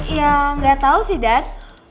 ya gak tau sih dad